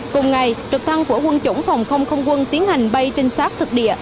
cùng ngày trực thăng của quân chủng phòng không không quân tiến hành bay trinh sát thực địa